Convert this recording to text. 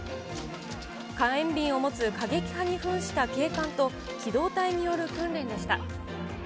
火炎瓶を持つ過激派にふんした警官と機動隊による訓練でした。